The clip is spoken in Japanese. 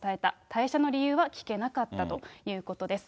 退社の理由は聞けなかったということです。